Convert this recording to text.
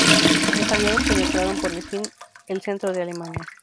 Los Aliados penetraron por fin el centro de Alemania.